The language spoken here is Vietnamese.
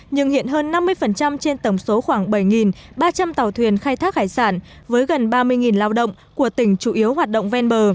nhưng hiện hơn năm mươi trên tổng số khoảng bảy ba trăm linh tàu thuyền khai thác hải sản với gần ba mươi lao động của tỉnh chủ yếu hoạt động ven bờ